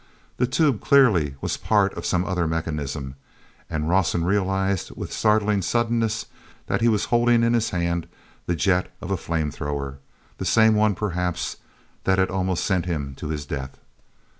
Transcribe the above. The tube, clearly, was part of some other mechanism, and Rawson realized with startling suddenness that he was holding in his hand the jet of a flame thrower—the same one, perhaps, that had almost sent him to his death.